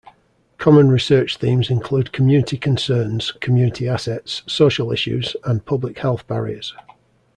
Common research themes include community concerns, community assets, social issues, and public health barriers.